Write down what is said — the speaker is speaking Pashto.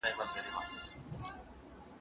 تاسو ټول کولای سئ له دې څخه ګټه واخلئ.